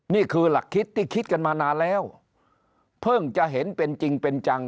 นี่คือหลักคิดที่คิดกันมานานแล้วเพิ่งจะเห็นเป็นจริงเป็นจัง